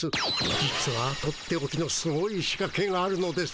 実はとっておきのすごい仕かけがあるのですよ。